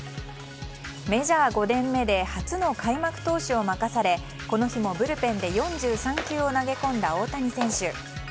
メジャー５年目で初の開幕投手を任されこの日もブルペンで４３球を投げ込んだ大谷選手。